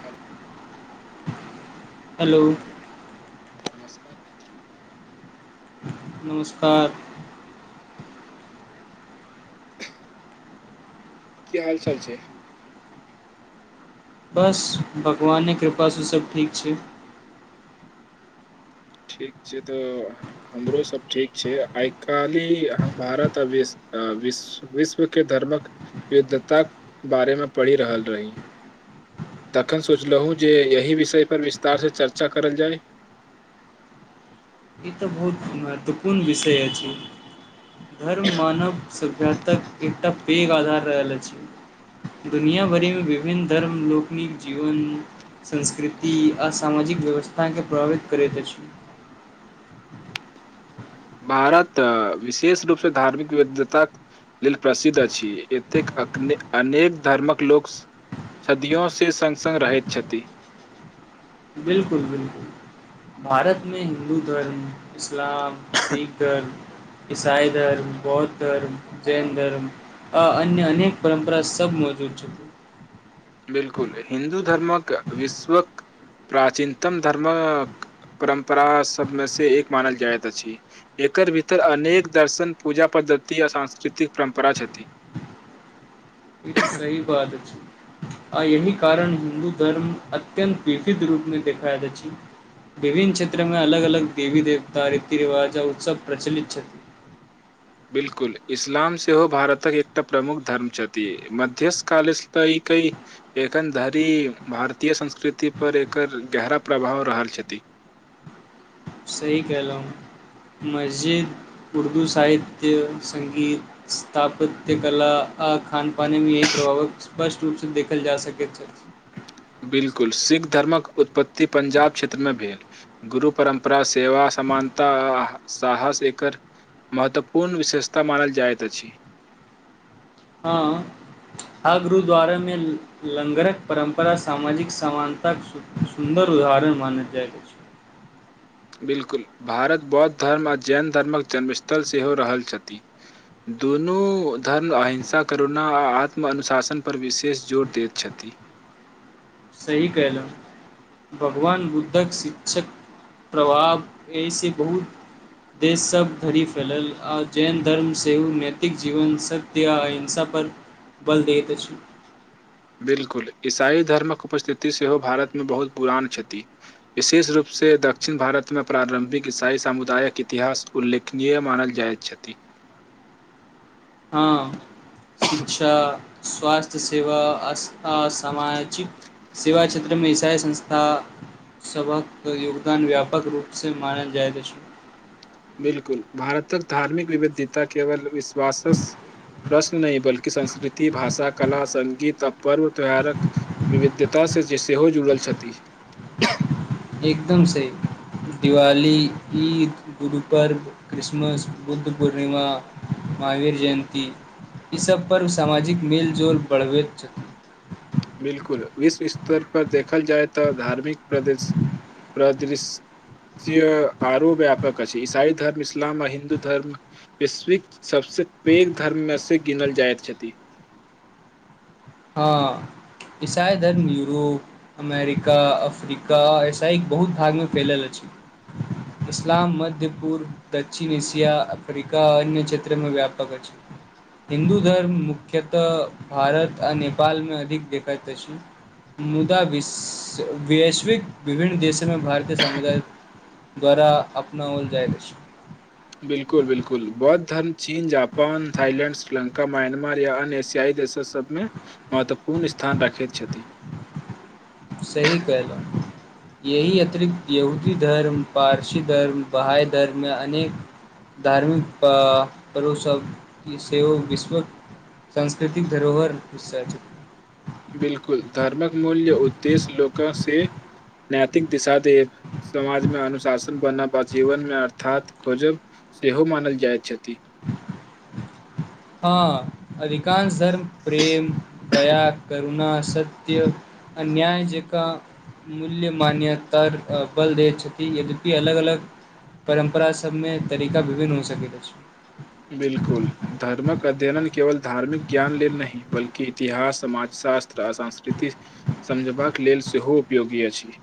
Hello. Hello. Hello नमस्कार मित्र। [unintelligible] नमस्कार। [unintelligible] की हाल चाल छै? बस, भगवानक कृपासं सब ठीक छै। ठीक छै त हमरो सब ठीक छै, आइ काल्हि हम भारत आ विश्व विश्व विश्वके धर्मक युद्धताक बारेमे पढ़ि रहल रही। तखन सोचलहुँ जे एहि विषय पर विस्तारसँ चर्चा करल जाय। ई त बहुत महत्वपूर्ण विषय अछि। धर्म मानव सभ्यताक एकटा पैघ आधार रहल अछि। दुनिया भरिमे विभिन्न धर्म लोकनिक जीवन संस्कृति आ सामाजिक व्यवस्थाके प्रभावित करैत अछि। भारत विशेष रूपसँ धार्मिक विविधताक लेल प्रसिद्ध अछि एतेक अने अनेक धर्मक लोक सदियों से संग संग रहैत छथि। बिलकुल बिलकुल, भारतमे हिन्दु धर्म इस्लाम, सिख धर्म ईसाई धर्म, बौद्ध धर्म, जैन धर्म आ अन्य अनेक परम्परा सब मौजूद छै। बिलकुल, हिन्दु धर्म विश्वक प्राचीनतम धर्म परम्परा सबमे से एक मानल जाइत अछि एकर भीतर अनेक दर्शन पूजा पद्धति आ सांस्कृतिक परम्परा छथि। ई त सही बात छै। आ एहि कारण हिन्दु धर्म अत्यन्त विविध रूपमे देखाइत अछि, विभिन्न क्षेत्रमे अलग अलग देवी देवता, रीति रिवाज आ उत्सव प्रचलित छथि। बिलकुल, इस्लाम सेहो भारतक एकटा प्रमुख धर्म छथि, मध्य कालसँ एखन धरि भारतीय संस्कृतिपर एकर गहरा प्रभाव रहल छथि। सही कहलहुँ, मस्जिद उर्दु साहित्य, संगीत, स्थापत्य कला आ खान पानमे एकर प्रभाव स्पष्ट रूपसँ देखल जा सकैत अछि। बिल्कुल, सिख धर्मक उत्पत्ति पंजाब क्षेत्रमे भेल। गुरु परम्परा, सेवा समानता आ साहस एकर महत्वपूर्ण विशेषता मानल जाइत अछि। हां आ गुरुद्वारामे लङ्गरक परम्परा सामाजिक समानताक सुन्दर उदाहरण मानल जाइत अछि। बिलकुल, भारत बौद्ध धर्म आ जैन धर्मक जन्मस्थल सेहो रहल छथि। दुनु धर्म अहिंसा, करुणा आ आत्मअनुशासन पर विशेष जोर दैत छथि। सही कयलहुँ, भगवान बुद्धक शिक्षक प्रभाव एहिसँ बहुत देश, सब धरि फैलल आ जैन धर्म सेहो नैतिक जीवन सत्य आ अहिंसापर बल दैत अछि। बिलकुल, इसाई धर्मक उपस्थिति सेहो भारतमे बहुत पुरान छथि, विशेष रूपसँ दक्षिण भारतमे प्रारम्भिक ईसाई समुदायक इतिहास उल्लेखनीय मानल जाइत छथि। हुं, शिक्षा, स्वास्थ्य सेवा आ सामाजिक सेवा क्षेत्रमे इसाई संस्था सभक योगदान व्यापक रूपसँ मानल जाइत अछि। बिलकुल, भारतक धार्मिक विविधता केवल विश्वासक प्रश्न नहि बल्कि संस्कृति, भाषा, कला, सगीत आ पर्व त्योहारक विविधता से सेहो जुड़ल छथि। एकदम सही, दिवाली, ईद, गुरु पर्ब, क्रिसमस, बुद्ध पूर्णिमा, महावीर जयन्ती ईसभ पर्व सामाजिक मेल जोल बढ़बैत छथि। बिलकुल, विश्व स्तर पर देखल जाय त धार्मिक प्रदृश परिदृश्य आरो व्यापक अछि ईसाई धर्म, इस्लाम आ हिन्दु धर्म, वैश्विक सबसं पैघ धर्म मे गिनल जाइत छथि। हां, ईसाई धर्म यूरोप, अमेरिका, अफ्रीका आ ईसाई बहुत भागमे फैलल अछि, इस्लाम मध्य पूर्व, दक्षिण एशिया, अफ्रीका आ अन्य क्षेत्रमे व्यापक अछि हिन्दू धर्म मुख्यतः भारत आ नेपालमे अधिक देखैत अछि मुदा वैश्विक विभिन्न देशमे भारतीय समुदाय द्वारा अपनाओल जाइत अछि। बिलकुल बिलकुल, बौद्ध धर्म चीन, जापान, थाईलैंड, श्रीलंका, म्यानमार या अन्य एशियाई देश सभमे महत्वपूर्ण स्थान राखैत छथि। सही कहलहुं। यही अतिरिक्त यहुदी धर्म, पारसी धर्म, बहाई धर्म या अनेक धार्मिक पर्व सब सेहो विश्वक सांस्कृतिक धरोहरक विषय छथि। बिलकुल, धर्मक मूल उद्देश्य लोक से नैतिक दिशा देब, समाजमे अनुशासन बना वा जीवनमे अर्थात खोजब सेहो मानल जाइत छथि। हां। अधिकांश धर्म प्रेम, दया कर करुणा, सत्य, अन्याय जेका मूल्य मान्यता बल दै छथि। यद्यपि अलग अलग परम्परा सबमे तरीका विभिन्न भ सकैत अछि। बिलकुल, धर्मक अध्ययन केवल धार्मिक ज्ञान लेल नहि बल्कि इतिहास समाज शास्त्र आ संस्कृति समझबाक लेल सेहो उपयोगी अछि।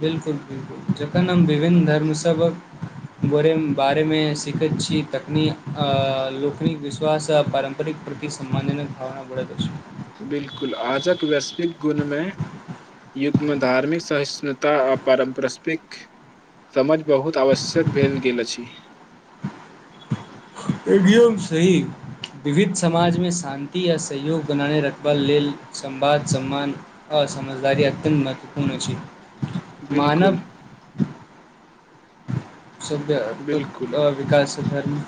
बिलकुल बिलकुल, जखन हम विभिन्न धर्म सबक बारेमे सीखैत छी तखनि लोकनिक विश्वास आ पारम्परिक प्रति सम्मानजनक भावना बढ़ैत अछि। बिलकुल, आजुक वैश्विक गुणमे युग्मधार्मिक सहिष्णुता आ पारम्परस्विक समझ बहुत आवश्यक भेल गेल अछि। एकदम सही, विविध समाजमे शान्ति आ सहयोग बनाने रखबा लेल संवाद, सम्मान आ समझदारी अत्यन्त महत्वपूर्ण अछि। बिल्कुल मानव [unintelligible] बिल्कुल विकास धर्म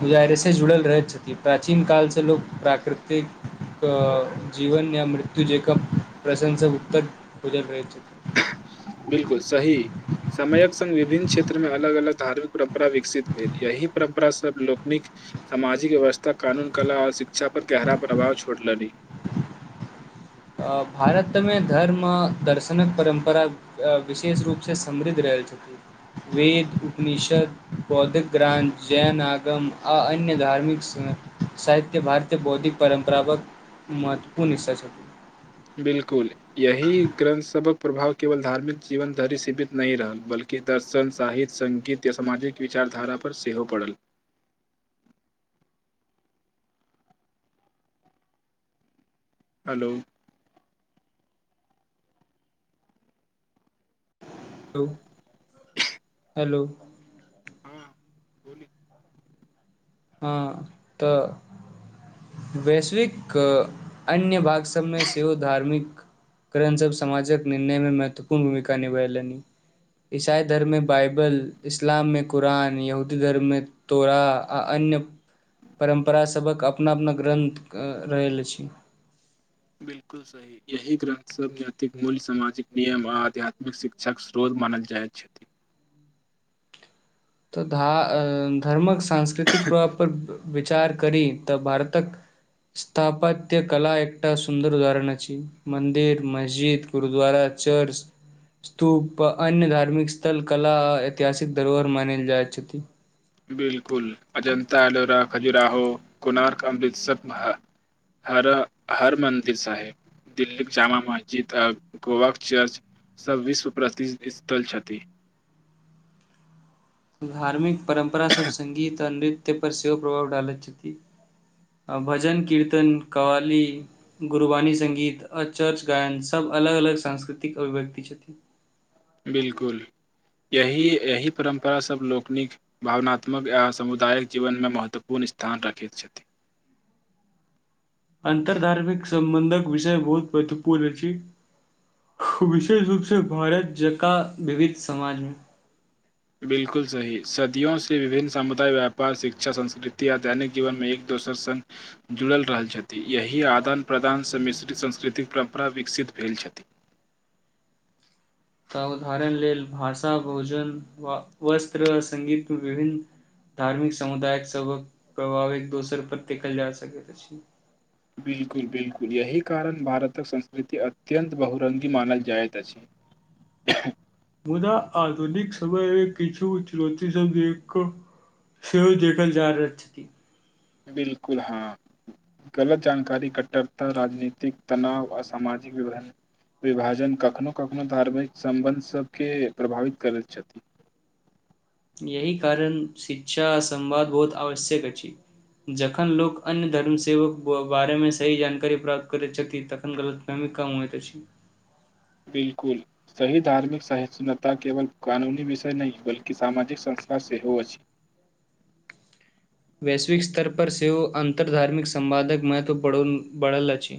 गुजारेसँ जुड़ल रहैत छथि प्राचीन कालसँ लोक प्राकृतिक अ जीवन या मृत्यु जेक प्रश्नसँ उत्तर खुजल रहैत छथि सङ्ग विभिन्न क्षेत्रमे अलग अलग धार्मिक परम्परा विकसित भेल। यही परम्परा सभ लोकनिक समाजिक व्यवस्था, कानून, कला आओर शिक्षा पर गहरा प्रभाव छोड़ली। अ भारतमे धर्म आ दर्शनक परम्परा विशेष रूप से समृद्ध रहल छथि। वेद, उपनिषद, बौद्धिक ग्रंथ, जैन आगम आ अन्य धार्मिक साहित्य भारतीय बौद्धिक परम्परावक महत्वपूर्ण हिस्सा छथि। बिलकुल यही ग्रन्थ सबहक प्रभाव केवल धार्मिक जीवन धरि सीमित नहि रहल, बल्कि दर्शन साहित्य सङ्गीत या सामाजिक विचारधारा पर सेहो पड़ल। हेलो लो हेलो हँ बोल हँ तऽ वैश्विक अन्य भाग सभमे सेहो धार्मिक ग्रंथ सभ समाजक निर्णयमे महत्वपूर्ण भूमिका निभेलनि। ईसाई धर्ममे बाइबल, इस्लाममे कुरान, यहूदी धर्ममे तोरा आ अन्य परम्परासभक अपना अपना ग्रन्थ अ रहल अछि। बिलकुल सही यही ग्रन्थसभ नैतिक मूल्य, सामाजिक नियम आ आध्यात्मिक शिक्षाक स्रोत मानल जाइत छथि। तऽ धा अऽ धर्मक सांस्कृतिक प्रभाव पर ब बे विचार करी तऽ भारतक स्थापत्य कला एकटा सुन्दर उदाहरण अछि। मन्दिर, मस्जिद, गुरुद्वारा, चर्च, स्तूप आ अन्य धार्मिक स्थल कला आ ऐतिहासिक धरोहर मान जाइ छथि। बिलकुल अजंता, एलोरा, खजुराहो, कोणार्क, अमृतसर हर हर मन्दिर साहेब, दिल्लीक जामा मस्जिद आ गोवाक चर्च सब विश्व प्रसिद्ध स्थल छथि। धार्मिक परम्परासब संगीत आ नृत्य त्य पर सेहो प्रभाव डालैत छथि। आ भजन, कीर्तन, कव्वाली, गुरवाणी संगीत आ चर्च गायन सब अलग अलग सांस्कृतिक अभिव्यक्ति छथिन। बिलकुल यहि एहि परम्परा सभ लोकनिक भावनात्मक आ समुदायक जीवनमे महत्वपूर्ण स्थान राखैत छथि। अन्तर धार्मिक सम्बन्धक विषय बहुत महत्वपूर्ण अछि, विशेष रूप से भारत जंका विविध समाजमे बिलकुल सही सदियोंसे विभिन्न सामुदाय व्यापार, शिक्षा, संस्कृति आ दैनिक जीवनमे एक दोसर सङ्ग जुड़ल रहल छथि यही आदान प्रदानसँ मिश्रित सांस्कृतिक परम्परा विकसित भेल छथि। त उदाहरण लेल भाषा, भोजन, व वस्त्र आ संगीतमे विभिन्न धार्मिक समुदायक सभक प्रभाव एक दोसर पर देखल जा सकैत अछि। बिलकुल बिलकुल यहि कारण भारतक संस्कृति अत्यंत बहुुरंगी मनाल जाइत अछि। मुदा आधुनिक समयमे किछु चुनौती सभ सेहो देखल जा रहल छथि। बिलकुल हँ, गलत जानकारी, कट्टरता, राजनीतिक तनाव आ सामाजिक वि विभाजन कखनो कखनो धार्मिक सम्बन्ध सभके प्रभावित करैत छथि। यही कारण शिक्षा आ संवाद बहुत आवश्यक अछि। जखन लोक अन्य धर्म सेवक बारेमे सही जानकारी प्राप्त करैत छथि तखन गलतफहमी कम होइत अछि। बिलकुल सही धार्मिक सहिष्णुता केवल क़ानूनी विषय नहि बल्कि सामाजिक संस्कार सेहो अछि। वैश्विक स्तर पर सेहो अन्तर धार्मिक संवादक महत्व ब बढ़ल अछि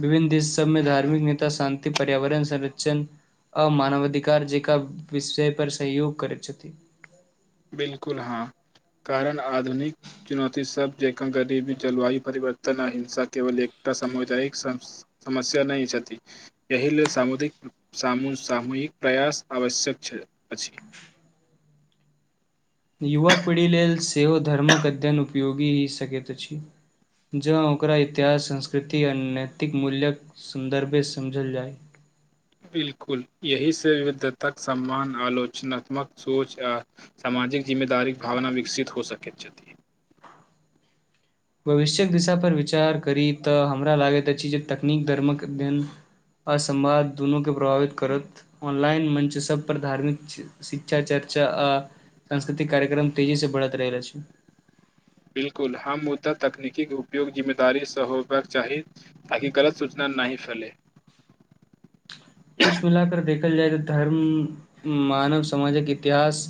विभिन्न देश सभमे धार्मिक नेता शान्ति, पर्यावरण संरक्षण आ मानवाधिकार जेकां विषय पर सहयोग करैत छथि बिलकुल हँ कारण आधुनिक चुनौती सब जेकां गरीबी, जलवायु परिवर्तन आ हिंसा केवल एकटा सामुदायिक समस्या नहि छथि। एहि लेल सामुदिक सामूहिक प्रयास आवश्यक छै अछि। युवा पीढ़ी लेल सेहो धर्मक अध्ययन उपयोगी ही सकैत अछि जँ ओकरा इतिहास, संस्कृति आ नैतिक मूल्य्यक सन्दर्भे समझल जाय। बिलकुल यहिसँ विविधताक सम्मान आलोचनात्मक सोच आ सामाजिक जिम्मेदारीक भावना विकसित हो सकैत छथि। भविष्यक दिशाापर विचार करी तऽ हमरा लागैत अछि जे तकनीक धर्मक अध्ययन आ समवाद दुनूकेँ प्रभावित करत ऑनलाइन मञ्च सभपर धार्मिक शिक्षा चर्चा आ सांस्कृतिक कार्यक्रम तेजीसँ बढ़ैत रहैत अछि। बिलकुल हम मुद्दा तकनीकीक उपयोग जिम्मेदारीसँ होयबाक चाही ताकि ग़लत सूचना नहि फैलय। कुछ मिला कर देखल जाए त धर्म मानव समाजक इतिहास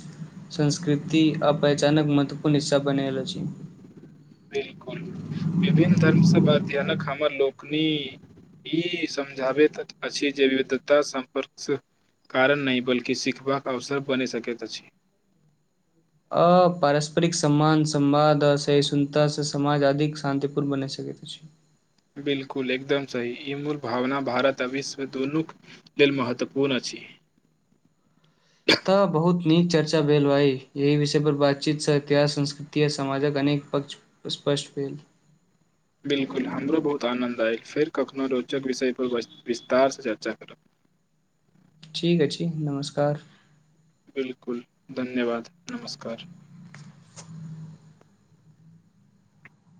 संस्कृति आ पहिचानक महत्वपूर्ण हिस्सा बन रहलो छै। बिलकुल विभिन्न धर्मसँ अध्ययनक हमर लोकनि ई समझाबैत अछि जे विविधता सम्पर्क कारण नहि बल्कि सिखबाक अवसर बनि सकैत अछि। अ पारस्परिक सम्मान, संवाद, आसहिष्णुतास समाज अधिक शान्तिपूर्ण बनि सकैत छै। बिलकुल एकदम सही ई मूल भावना भारत आ विश्व दुनूक लेल महत्वपूर्ण अछि। तऽ बहुत नीक चर्चा भेल भाई यहि विषय पर बातचीतसँ इतिहास, संस्कृति आ समाजक अनेक पक्ष स्पष्ट भेल। बिलकुल हमरो बहुत आनन्द आएल फेर कखनो रोचक विषय पर वस विस्तार से चर्चा करब। ठीक अछि नमस्कार। बिलकुल धन्यवाद नमस्कार।